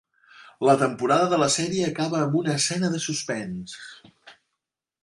La temporada de la sèrie acaba amb una escena de suspens.